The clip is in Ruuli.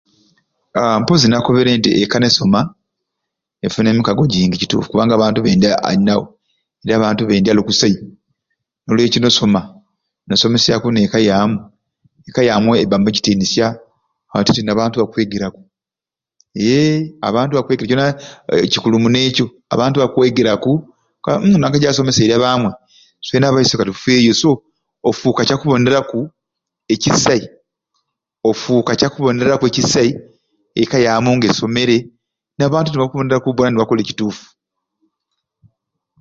Haaa mpozi nakobere nti ekka nesoma efuna emikaago jingi kubanga abantu bendya alinawo era abantu bendya ali okusai nolwekyo nosoma nosomesyaku nekka yamu, ekka yamu ebamu ekitinisya ate nabantu bakwegeraku, eeeh abantu bakwegeraku kyona kikulu muno ekyo abantu bakweegeraku nti onanka jasomeseirye abamwei iswena abaiswe katufeeyo ofuka kyakuboneraku ekisai ofuka kyakuboneraku ekisai ekka yamu nga esomere nabantu nibakuboneraku bona nibakola ekituffu.